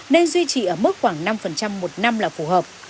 nên duy trì ở mức khoảng năm một năm là phù hợp